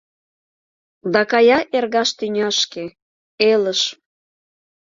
Да кая эргаш тӱняшке, элыш